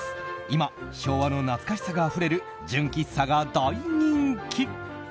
今、昭和の懐かしさがあふれる純喫茶が大人気。